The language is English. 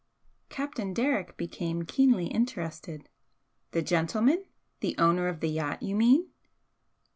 Captain Derrick became keenly interested. "The gentleman? The owner of the yacht, you mean?"